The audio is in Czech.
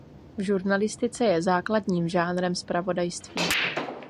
V žurnalistice je základním žánrem zpravodajství.